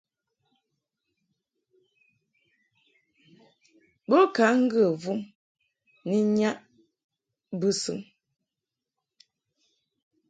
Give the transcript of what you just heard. Bo ka ŋgə vum ni nnyaʼ bɨsɨŋ.